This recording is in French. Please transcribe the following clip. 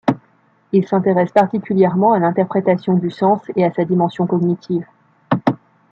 Il s'intéresse particulièrement à l'interprétation du sens et à sa dimension cognitive.